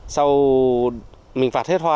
sau mình vạt hết hoa